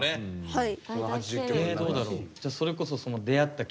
はい。